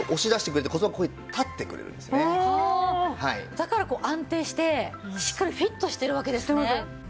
だからこう安定してしっかりフィットしてるわけですね。